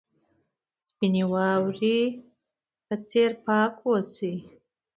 د سپینې واورې په څېر پاک اوسئ.